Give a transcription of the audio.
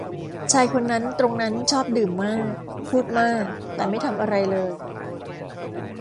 ชายคนนั้นตรงนั้นชอบดื่มมาก พูดมาก แต่ไม่ทำอะไรเลย